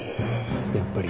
やっぱりな。